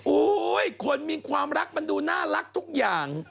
คนมีความรักมันดูน่ารักทุกอย่าง